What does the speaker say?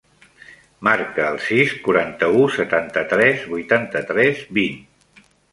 Marca el sis, quaranta-u, setanta-tres, vuitanta-tres, vint.